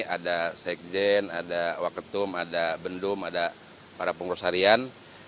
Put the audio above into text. ada sekjen ada waketum ada bendum ada para pengurus harian